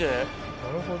なるほど。